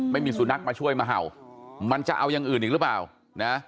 ไม่มีสุนัขมาช่วยมาเห่ามันจะเอาอย่างอื่นอีกหรือเปล่านะ